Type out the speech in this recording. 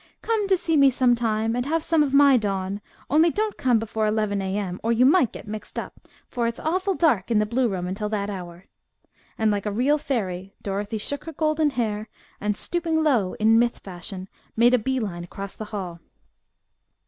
"Come to see me some time and have some of my dawn, only don't come before eleven A.M. or you might get mixed up, for its awful dark in the blue room until that hour." And like a real fairy Dorothy shook her golden hair and, stooping low in myth fashion, made a "bee line" across the hall.